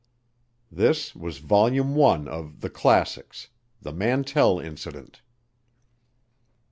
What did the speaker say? This was Volume I of "The Classics," the Mantell Incident.